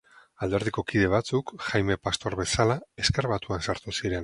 Alderdiko kide batzuk, Jaime Pastor bezala, Ezker Batuan sartu ziren.